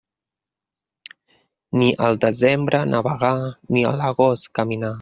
Ni al desembre navegar, ni a l'agost caminar.